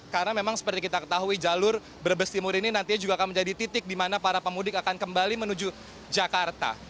karena memang seperti kita ketahui jalur berbest timur ini nantinya juga akan menjadi titik di mana para pemudik akan kembali menuju jakarta